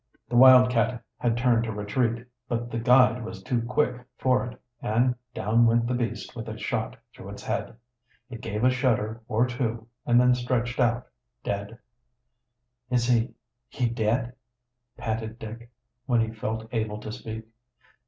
The wildcat had turned to retreat, but the guide was too quick for it, and down went the beast with a shot through its head. It gave a shudder or two, and then stretched out, dead. "Is he he dead?" panted Dick, when he felt able to speak.